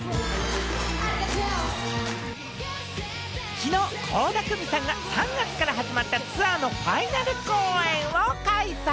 きのう、倖田來未さんが３月から始まったツアーのファイナル公演を開催。